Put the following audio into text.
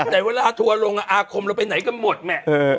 แต่เวลาทัวร์ลงอาคมเราไปไหนกันหมดแม่